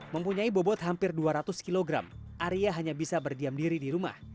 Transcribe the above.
mempunyai bobot hampir dua ratus kg arya hanya bisa berdiam diri di rumah